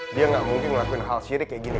dia gak mungkin ngelakuin hal sirik kayak gini